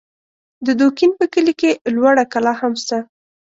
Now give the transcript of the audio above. د دوکین په کلي کې لوړه کلا هم سته